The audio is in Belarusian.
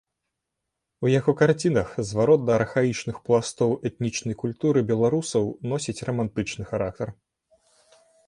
У яго карцінах зварот да архаічных пластоў этнічнай культуры беларусаў носіць рамантычны характар.